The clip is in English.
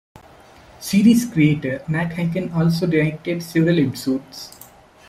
Series creator Nat Hiken also directed several episodes.